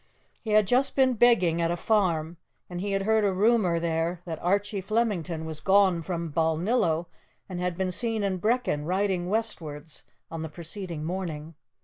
He had just been begging at a farm, and he had heard a rumour there that Archie Flemington was gone from Balnillo, and had been seen in Brechin, riding westwards, on the preceding morning.